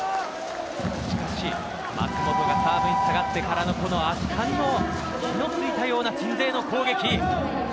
舛本がサーブに下がってからの圧巻の火のついたような鎮西の攻撃。